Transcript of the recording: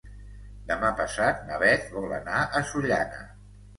Demà passat na Beth vol anar a Sollana.